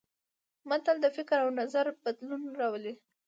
متل د فکر او نظر بدلون راولي